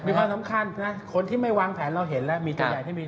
มีความสำคัญนะคนที่ไม่วางแผนเราเห็นแล้วมีตัวใหญ่ที่มี